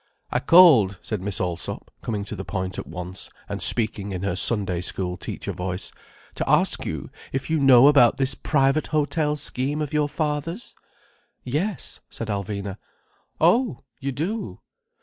"I called," said Miss Allsop, coming to the point at once, and speaking in her Sunday school teacher voice, "to ask you if you know about this Private Hotel scheme of your father's?" "Yes," said Alvina. "Oh, you do!